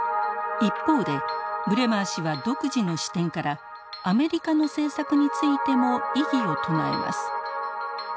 一方でブレマー氏は独自の視点からアメリカの政策についても異議を唱えます。